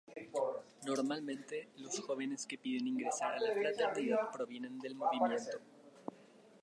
Normalmente los jóvenes que piden ingresar a la Fraternidad provienen del movimiento.